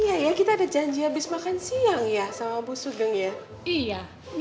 iya ya kita ada janji habis makan siang ya sama bu sugeng ya